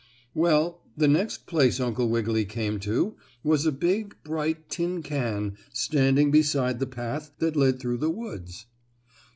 Well, the next place Uncle Wiggily came to was a big, bright, tin can standing beside the path that led through the woods.